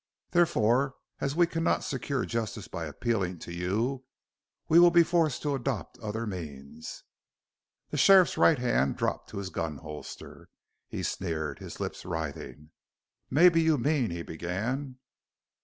Therefore, as we cannot secure justice by appealing to you we will be forced to adopt other means." The sheriff's right hand dropped to his gun holster. He sneered, his lips writhing. "Mebbe you mean " he began.